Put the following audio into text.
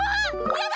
やだ！